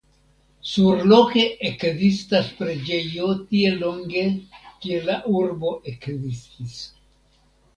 Surloke ekzistas preĝejo tiel longe kiel la urbo ekzistis.